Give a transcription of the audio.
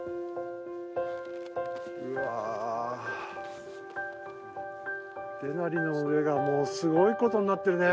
うわデナリの上がもうすごいことになってるね。